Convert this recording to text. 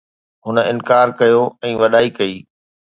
هن انڪار ڪيو ۽ وڏائي ڪئي